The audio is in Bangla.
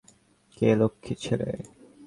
কে লক্ষ্মী ছেলে?